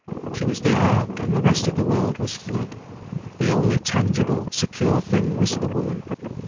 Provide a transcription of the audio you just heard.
She was the ark, and the rest of the world was flood. The only tangible, secure thing was the woman.